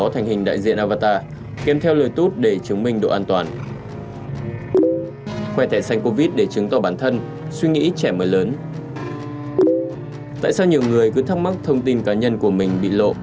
tại sao nhiều người cứ thắc mắc thông tin cá nhân của mình bị lộ